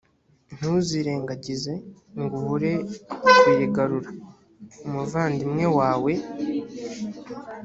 ntuzirengagize ngo ubure kuyigarurira umuvandimwe wawe.